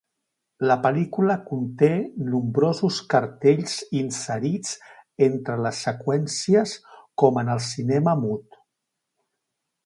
La pel·lícula conté nombrosos cartells inserits entre les seqüències com en el cinema mut.